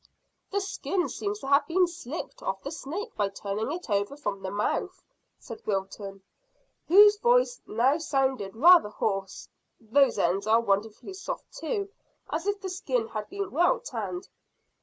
"The skin seems to have been slipped off the snake by turning it over from the mouth," said Wilton, whose voice now sounded rather hoarse. "Those ends are wonderfully soft too, as if the skin had been well tanned."